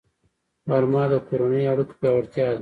غرمه د کورنیو اړیکو پیاوړتیا ده